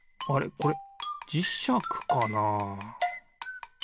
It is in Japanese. これじしゃくかな？